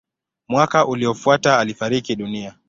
Mwaka uliofuata alifariki dunia.